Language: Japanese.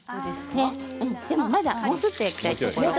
でも、もうちょっと焼きたいところ。